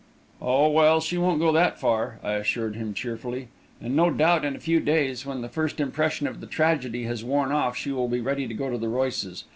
"Oh, well, she won't go that far," I assured him cheerfully; "and no doubt in a few days, when the first impression of the tragedy has worn off, she will be ready to go to the Royces'.